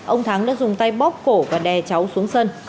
ông thắng đã dùng tay bóp cổ và đè cháu xuống sân